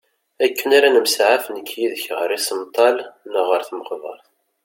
Akken ara nemsaɛaf nekk yid-k ɣer isemṭal neɣ ɣer tmeqbert.